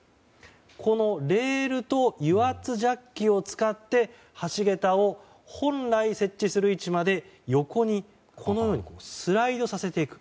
このレールと油圧ジャッキを使って橋桁を本来設置する位置まで横にスライドさせていく。